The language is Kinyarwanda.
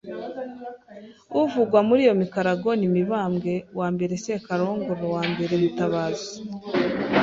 Uvugwa muri iyo mikarago ni Mibamwbe I Sekarongoro I Mutabazi